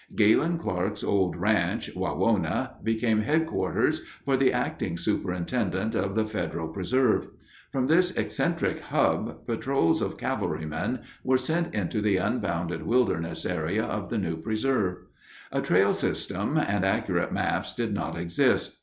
Galen Clark's old ranch (Wawona) became headquarters for the Acting Superintendent of the federal preserve. From this eccentric hub, patrols of cavalrymen were sent into the unbounded wilderness area of the new preserve. A trail system and accurate maps did not exist.